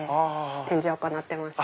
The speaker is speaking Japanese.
展示を行ってまして。